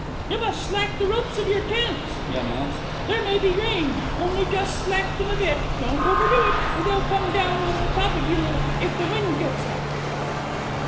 "You must slack the ropes of your tents," he announced, "there may be rain. Only just slack them a bit; don't overdo it, or they'll come down on the top of you if the wind gets up."